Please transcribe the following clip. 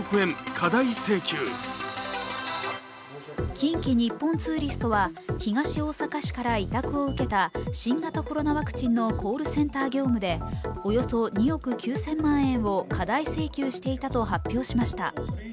近畿日本ツーリストは東大阪市から委託を受けた新型コロナワクチンのコールセンター業務でおよそ２億９０００万円を過大請求していたと発表しました。